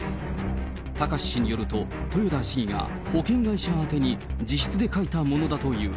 貴志氏によると、豊田市議が保険会社宛てに自筆で書いたものだという。